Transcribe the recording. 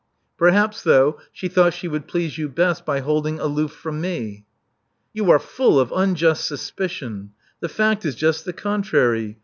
Perhaps, though, she thought she would please you best by holding aloof from me.'* You are full of unjust suspicion. The fact is just the contrary.